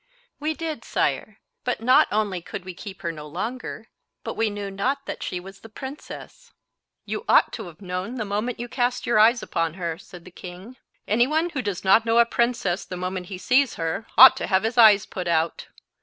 "We did, sire; but not only could we keep her no longer, but we knew not that she was the princess." "You ought to have known, the moment you cast your eyes upon her," said the king. "Any one who does not know a princess the moment he sees her, ought to have his eyes put out."